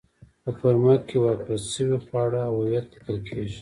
په فورمه کې ورکړل شوي خواړه او هویت لیکل کېږي.